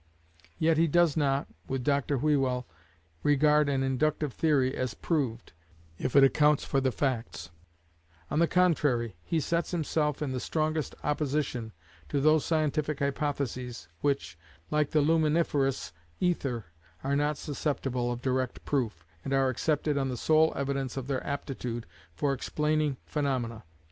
Yet he does not, with Dr Whewell, regard an inductive theory as proved if it accounts for the facts: on the contrary, he sets himself in the strongest opposition to those scientific hypotheses which, like the luminiferous ether, are not susceptible of direct proof, and are accepted on the sole evidence of their aptitude for explaining phenomena.